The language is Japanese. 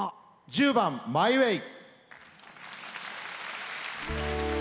１０番「マイ・ウェイ」。